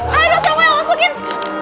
aduh saya mau masukin